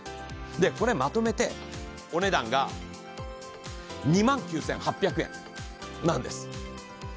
でこれまとめてお値段が２万９８００円なんです。